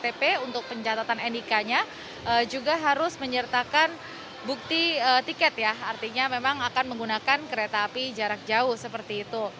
ktp untuk pencatatan nik nya juga harus menyertakan bukti tiket ya artinya memang akan menggunakan kereta api jarak jauh seperti itu